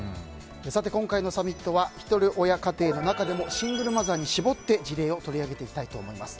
今回のサミットはひとり親家庭の中でもシングルマザーに絞って事例を取り上げていきたいと思います。